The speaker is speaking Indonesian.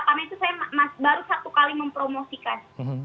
karena itu saya baru satu kali mempromosikan